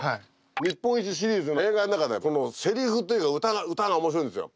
「日本一」シリーズの映画の中でせりふというか歌が面白いんですよ。